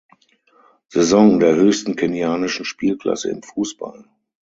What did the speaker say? Saison der höchsten kenianischen Spielklasse im Fußball.